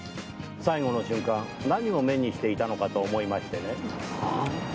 最後の瞬間何を目にしていたのかと思いましてね。